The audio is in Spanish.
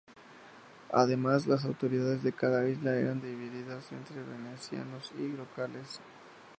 Además, las autoridades de cada isla eran divididas entre venecianos y locales.